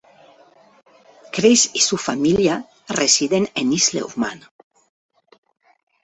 Chris y su familia residen en Isle of Man.